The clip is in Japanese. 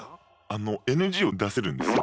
ＮＧを出せるんですよ。